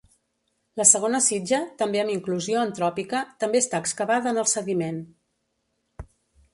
La segona sitja, també amb inclusió antròpica, també està excavada en el sediment.